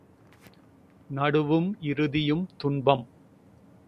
நடுவும் இறுதியும் துன்பம்.